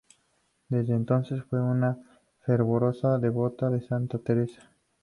Desde entonces fue una fervorosa devota de Santa Teresa.